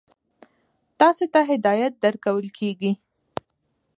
تاسې ته هدایت درکول کیږي.